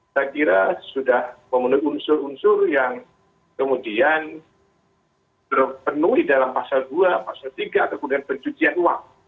saya kira sudah memenuhi unsur unsur yang kemudian terpenuhi dalam pasal dua pasal tiga atau kemudian pencucian uang